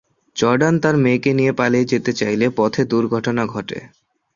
Jordan তার মেয়েকে নিয়ে পালিয়ে যেতে চাইলে পথে দুর্ঘটনা ঘটে।